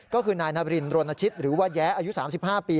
ก็คือนายนาบรินรณชิตหรือว่าแย้อายุ๓๕ปี